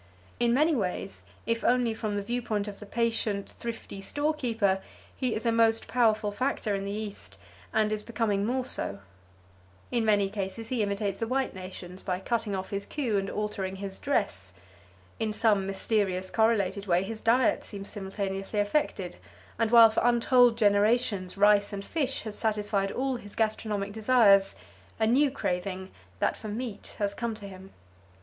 In many ways, if only from the viewpoint of the patient, thrifty store keeper he is a most powerful factor in the East, and is becoming more so. In many cases he imitates the white nations by cutting off his queue and altering his dress. In some mysterious correlated way his diet seems simultaneously affected, and while for untold generations rice and fish has satisfied all his gastronomic desires, a new craving, that for meat, has come to him.